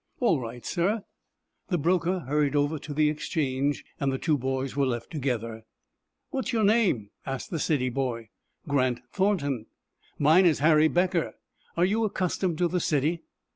"All right, sir." The broker hurried over to the Exchange, and the two boys were left together. "What is your name?" asked the city boy. "Grant Thornton." "Mine is Harry Becker. Are you accustomed to the city?"